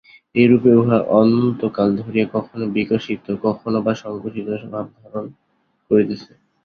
এইরূপে উহা অনন্তকাল ধরিয়া কখনও বিকশিত, কখনও বা সঙ্কুচিত ভাব ধারণ করিতেছে।